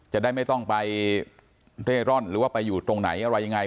จะได้ไม่ต้องไปเร่ร่อนหรือว่าไปอยู่ตรงไหนอะไรยังไง